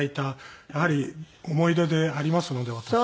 やはり思い出でありますので私も。